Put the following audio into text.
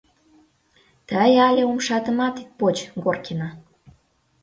Тый але умшатымат ит поч, Горкина!